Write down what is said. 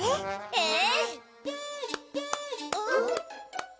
えっ！？